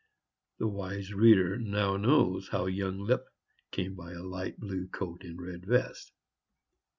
The wise reader now knows how young Lipp came by a light blue coat and red vest.